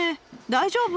大丈夫？